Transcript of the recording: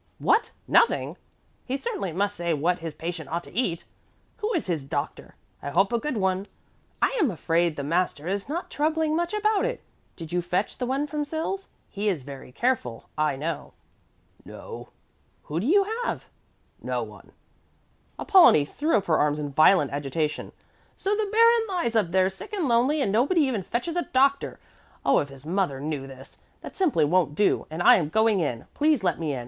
"What, nothing? He certainly must say what his patient ought to eat. Who is his doctor? I hope a good one. I am afraid the master is not troubling much about it. Did you fetch the one from Sils? He is very careful, I know." "No." "Who do you have?" "No one." Apollonie threw up her arms in violent agitation. "So the baron lies up there sick and lonely and nobody even fetches a doctor. Oh, if his mother knew this! That simply won't do, and I am going in. Please let me in.